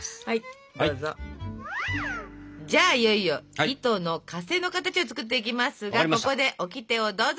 じゃあいよいよ糸のかせの形を作っていきますがここでオキテをどうぞ！